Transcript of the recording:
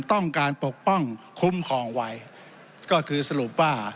ต้องการปกป้องคุ้มครองไว้ก็คือสรุปว่า